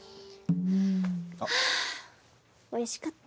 はぁおいしかった。